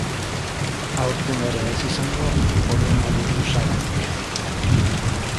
Aurten ere ez izango, koronabirusagatik.